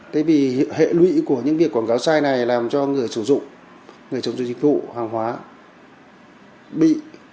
tại vì hệ lụy của những việc quảng cáo sai này làm cho người sử dụng người chống dịch vụ hàng hóa bị